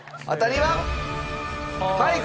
当たりは。